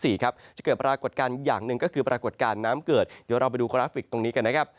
จะเกิดปรากฏการณ์อย่างหนึ่งก็คือปรากฏการณ์น้ำเกิดเดี๋ยวเราไปดูกราฟิกตรงนี้กันนะครับ